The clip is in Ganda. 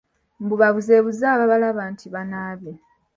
Mbu babuzeebuze ababalaba nti banaabye.